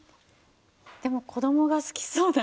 でも子供が好きそうな。